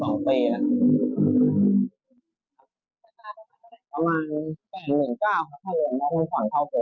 ประมาณ๘๙เพราะถ้าเรียกว่าผ่อนเข้าหัว